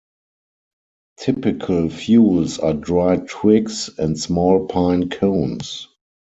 Typical fuels are dry twigs and small pine cones.